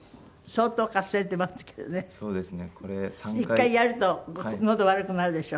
１回やるとのど悪くなるでしょ？